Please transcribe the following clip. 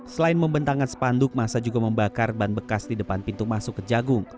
selain membentangkan sepanduk masa juga membakar ban bekas di depan pintu masuk ke jagung